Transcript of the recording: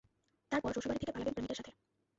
তারপর, শ্বশুরবাড়ি থেকে পালাবেন প্রেমিকের সাথে।